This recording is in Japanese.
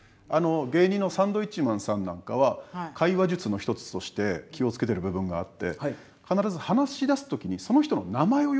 芸人のサンドウィッチマンさんなんかは会話術の一つとして気を付けてる部分があって何とかさん